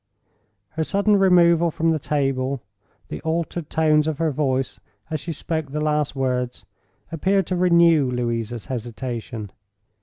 Her sudden removal from the table, the altered tones of her voice as she spoke the last words, appeared to renew Louisa's hesitation.